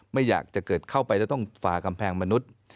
ไม่อยากจะเกิดเข้าไปแล้วต้องฝ่ากำแพงมนุษย์